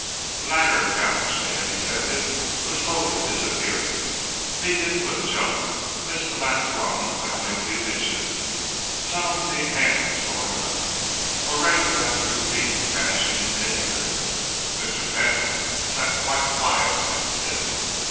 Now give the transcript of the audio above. The ladder down which they had descended was slowly disappearing. Meekins, with a jump, missed the last rung by only a few inches. Some unseen hand was drawing it up. Already the last few feet were vanishing in mid air. Mr. Fentolin sat quite quiet and still.